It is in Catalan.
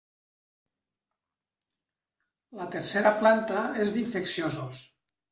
La tercera planta és d'infecciosos.